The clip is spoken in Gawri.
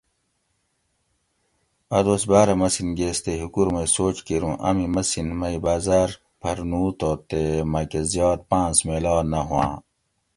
ا دوس باۤرہ مسین گیس تے ہِکور مئی سوچ کیر اوں امی مس مئی بازار پھر نو تو تے مکہ زیات پاۤنس میلا نہ ہوآں